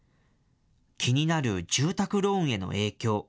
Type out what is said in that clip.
気になる住宅ローンへの影響。